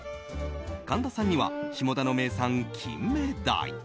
神田さんには下田の名産キンメダイ。